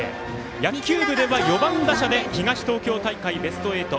野球部では４番打者で東東京大会ベスト８。